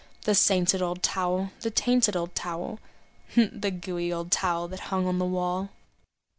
The sainted old towel, the tainted old towel, The gooey old towel that hung on the wall.